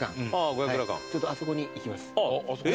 ちょっとあそこに行きます。